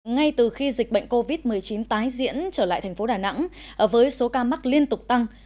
ngay từ khi dịch bệnh covid một mươi chín tái diễn trở lại thành phố đà nẵng với số ca mắc liên tục tăng